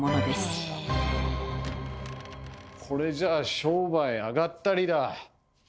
これじゃあ商売あがったりだ。